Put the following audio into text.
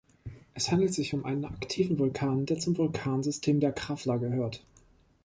Es handelt sich um einen aktiven Vulkan, der zum Vulkansystem der Krafla gehört.